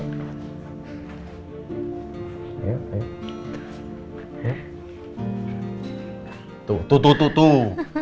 tuh tuh tuh tuh tuh